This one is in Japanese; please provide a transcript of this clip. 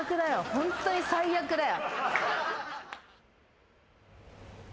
ホントに最悪だよ。